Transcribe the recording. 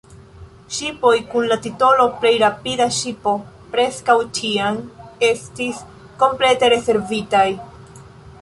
Ŝipoj kun la titolo "plej rapida ŝipo" preskaŭ ĉiam estis komplete rezervitaj.